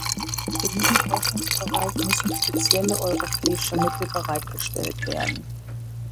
Für diesen Forschungsbereich müssen spezielle europäische Mittel bereitgestellt werden.